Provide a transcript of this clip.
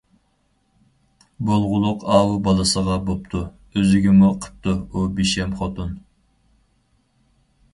بولغۇلۇق ئاۋۇ بالىسىغا بوپتۇ، ئۆزىگىمۇ قىپتۇ ئۇ بىشەم خوتۇن.